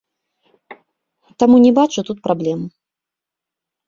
Таму не бачу тут праблем.